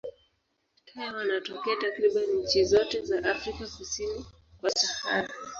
Taya wanatokea takriban nchi zote za Afrika kusini kwa Sahara.